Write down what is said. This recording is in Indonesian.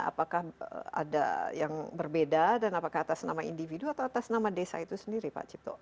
apakah ada yang berbeda dan apakah atas nama individu atau atas nama desa itu sendiri pak cipto